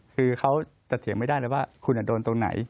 คือเขาจะเถียงไม่ได้เลยว่าคุณโดนตรงไหน